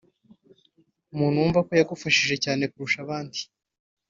muntu wumva ko yagufashije cyane kurusha abandi